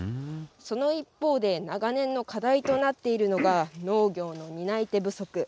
その一方で、長年の課題となっているのが、農業の担い手不足。